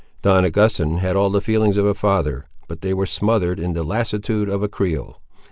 Don Augustin had all the feelings of a father, but they were smothered in the lassitude of a Creole.